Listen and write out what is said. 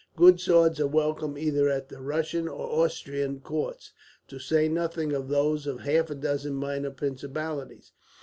Good swords are welcome either at the Russian or Austrian courts, to say nothing of those of half a dozen minor principalities.